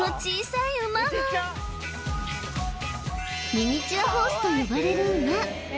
ミニチュアホースと呼ばれる馬